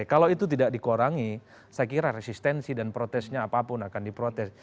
kalau itu tidak dikurangi saya kira resistensi dan protesnya apapun akan diprotes